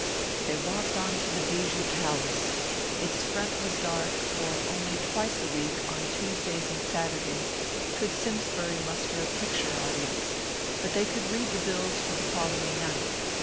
They walked on to the Bijou Palace. Its front was dark, for only twice a week, on Tuesdays and Saturdays, could Simsbury muster a picture audience; but they could read the bills for the following night.